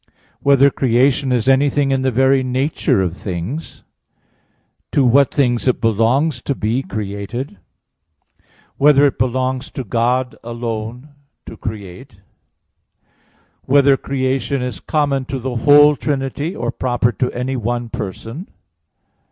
(3) Whether creation is anything in the very nature of things? (4) To what things it belongs to be created? (5) Whether it belongs to God alone to create? (6) Whether creation is common to the whole Trinity, or proper to any one Person?